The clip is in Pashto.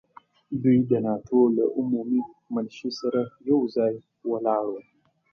دوی د ناټو له عمومي منشي سره یو ځای ولاړ وو.